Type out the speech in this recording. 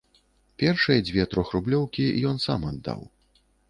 Першыя дзве трохрублёўкі ён сам аддаў.